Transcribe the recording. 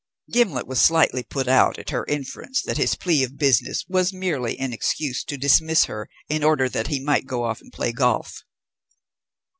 Gimblet was slightly put out at her inference that his plea of business was merely an excuse to dismiss her in order that he might go off and play golf.